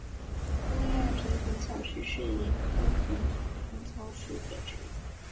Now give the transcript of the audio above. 欧亚萍蓬草是睡莲科萍蓬草属的植物。